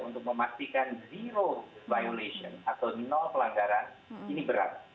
untuk memastikan penindakan atau pelanggaran ini berat